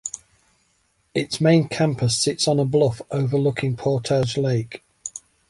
Its main campus sits on on a bluff overlooking Portage Lake.